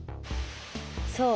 そう！